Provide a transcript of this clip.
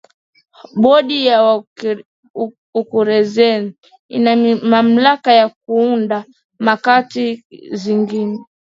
bodi ya wakurugenzi ina mamlaka ya kuunda kamati zingine